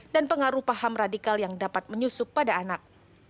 dan pengaruh paham radikal yang dapat menyusup pada anak